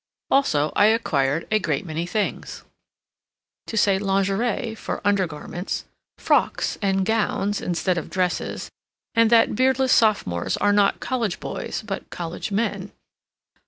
Also, I acquired a great many things: to say lingerie for under garments, "frocks" and "gowns" instead of dresses, and that beardless sophomores are not college boys, but college men.